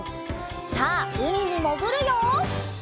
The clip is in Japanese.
さあうみにもぐるよ！